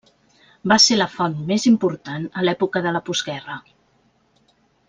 Va ser la font més important a l'època de la postguerra.